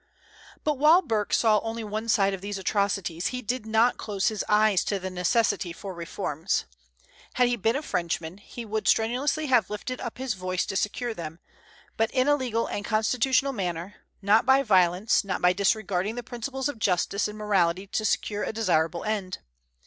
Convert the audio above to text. But while Burke saw only one side of these atrocities, he did not close his eyes to the necessity for reforms. Had he been a Frenchman, he would strenuously have lifted up his voice to secure them, but in a legal and constitutional manner, not by violence, not by disregarding the principles of justice and morality to secure a desirable end.